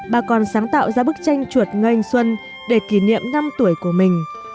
bà còn sáng tạo ra bức tranh chuột ngây anh xuân để kỷ niệm năm tuổi của mình